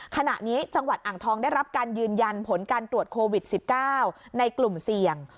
ขณะนี้จังหวัดอ่างทองได้รับการยืนยันผลการตรวจโควิด๑๙ในกลุ่มเสี่ยง